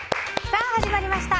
さあ、始まりました。